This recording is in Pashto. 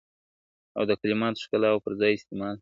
او د کلماتو ښکلا او پر ځای استعمال ,